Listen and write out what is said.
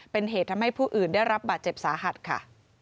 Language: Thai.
เป็นเหตุทำให้ผู้อื่นได้รับบาดเจ็บสาหัสค่ะ